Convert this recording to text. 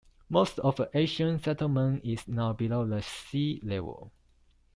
Most of the ancient settlement is now below the sea level.